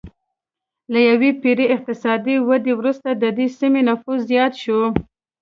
له یوې پېړۍ اقتصادي ودې وروسته د دې سیمې نفوس زیات شو